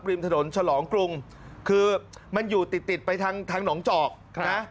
ริมถนนฉลองกรุงคือมันอยู่ติดติดไปทางทางหนองจอกนะ